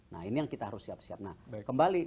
nah ini yang kita harus siap siap nah kembali